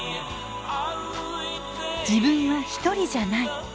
自分は一人じゃない。